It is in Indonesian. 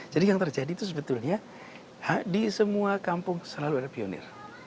jadi yang terjadi itu sebetulnya di semua kampung selalu ada pionir